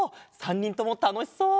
３にんともたのしそう！